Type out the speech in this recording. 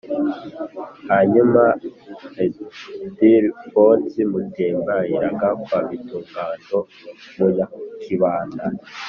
hanyuma Ildefonsi Mutembe ayiranga kwa Bitugangando, mu Nyakibanda.